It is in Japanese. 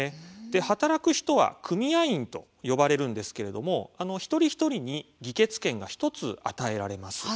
働く人は組合員と呼ばれるんですが一人一人に議決権が１つ与えられます。